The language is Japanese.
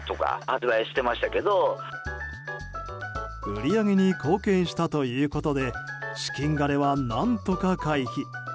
売り上げに貢献したということで資金枯れは何とか回避。